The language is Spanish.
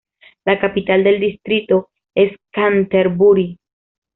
La capital del distrito es Canterbury.